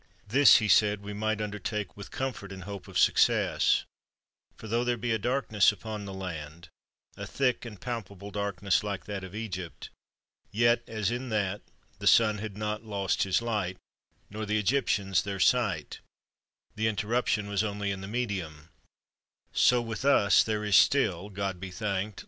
This he said, we might undertake with com fort and hope of success ; for tho there be a dark ness upon the land, a thick and palpable dark ness, like that of Egypt, yet, as in that, the sun had not lost his light, nor the Egyptians their sight (the interruption was only in the medium), so with us, there is still (God be thanked!)